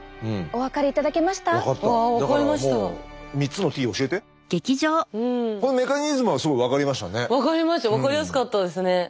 分かりやすかったですね。